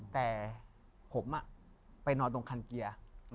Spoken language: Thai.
แต่ผมไปนอนตรงคันเกียร์